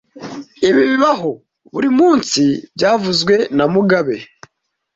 Ibi bibaho buri munsi byavuzwe na mugabe